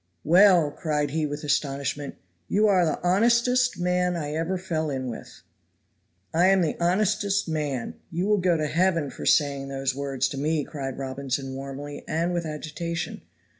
"Well," cried he with astonishment, "you are the honestest man ever I fell in with." "I am the honestest man! You will go to heaven for saying those words to me," cried Robinson warmly and with agitation.